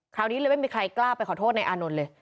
คราวนี้เลยไม่มีใครกล้าไปขอโทษในอานนท์เลย